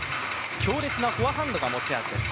強烈なフォアハンドが持ち味です。